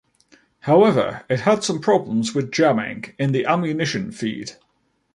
However, it had some problems with jamming in the ammunition feed.